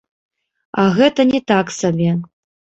А гэта не так сабе.